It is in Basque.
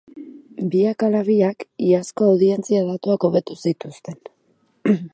Biek ala biek iazko audientzia datuak hobetu zituzten.